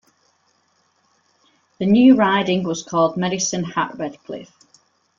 The new riding was called Medicine Hat-Redcliff.